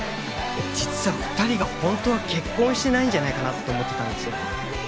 実は二人が本当は結婚してないんじゃないかなって思ってたんですよ